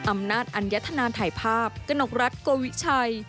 อำนาจอัญญธนาถ่ายภาพกระนกรัฐโกวิชัย